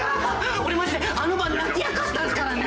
俺マジであの晩泣き明かしたんすからね！